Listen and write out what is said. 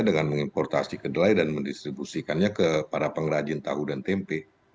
dan mengimportasi kedelai dan mendistribusikannya ke para pengrajin tau dan tmp